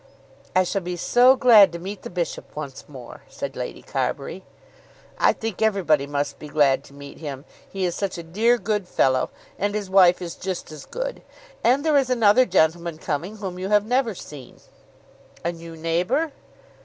"I shall be so glad to meet the bishop once more," said Lady Carbury. "I think everybody must be glad to meet him, he is such a dear, good fellow, and his wife is just as good. And there is another gentleman coming whom you have never seen." "A new neighbour?"